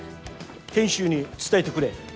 賢秀に伝えてくれ。